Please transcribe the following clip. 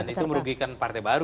dan itu merugikan partai baru